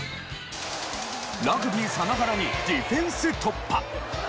ラグビーさながらにディフェンス突破。